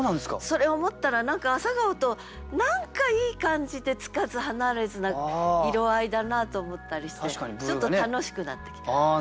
それ思ったら何か朝顔と何かいい感じでつかず離れずな色合いだなと思ったりしてちょっと楽しくなってきた。